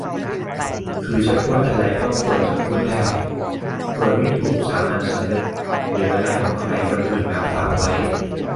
คือจะพูดอะไรก็ควรจะพูดได้ โดยไม่ถูกสามัญสำนึกหรืออะไรของใครคนอื่นมาขวางไว้